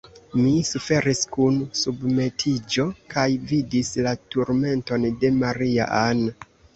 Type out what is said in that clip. Mi suferis kun submetiĝo, kaj vidis la turmenton de Maria-Ann.